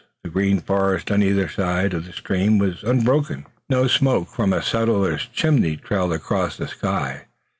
The green forest on either side of the stream was unbroken. No smoke from a settler's chimney trailed across the sky.